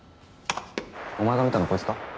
お前が見たのこいつか？